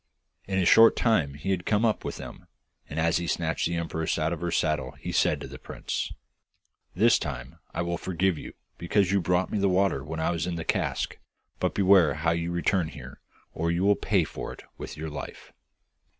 In a short time he had come up with them, and as he snatched the empress out of her saddle he said to the prince: 'This time I will forgive you, because you brought me the water when I was in the cask; but beware how you return here, or you will pay for it with your life.